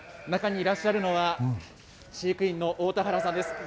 中にいらっしゃるのは、飼育員の太田原さんです。